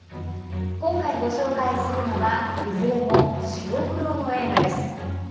今回ご紹介するのはいずれも白黒の映画です。